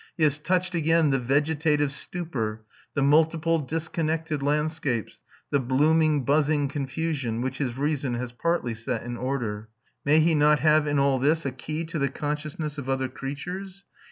He has touched again the vegetative stupor, the multiple disconnected landscapes, the "blooming buzzing confusion" which his reason has partly set in order. May he not have in all this a key to the consciousness of other creatures?